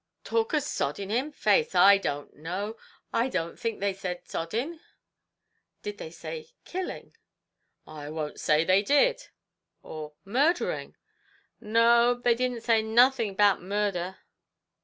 "Talk of sodding him! Faix I don't know; I don't think they said sodding." "Did they say killing?" "I won't say they did." "Or murdering?" "No; they did not say nothin' about murdher."